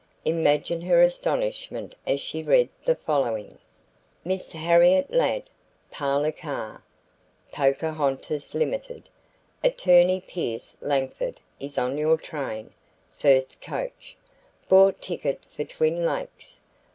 Imagine her astonishment as she read the following: "Miss Harriet Ladd, parlor car, Pocahontas Limited: Attorney Pierce Langford is on your train, first coach. Bought ticket for Twin Lakes.